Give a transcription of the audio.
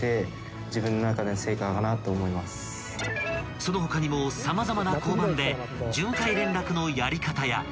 ［その他にも様々な交番で巡回連絡のやり方や］